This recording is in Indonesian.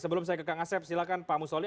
sebelum saya ke kang asep silakan pak musyoli